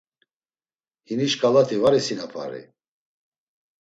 Hini şǩalati var isinapari?